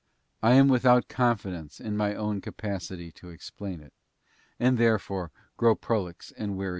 I am without confidence in my own capacity to explain it, and therefore grow prolix and wearisome, CHAP, xIv.